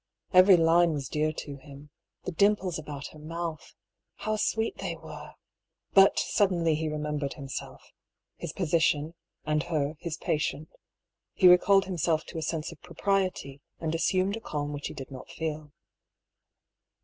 Every line was dear to him. The dim ples about her mouth — how sweet they were ! But suddenly he remembered himself — his position .— and her, his patient. He recalled himself to a sense of propriety, and assumed a calm which he did not feel.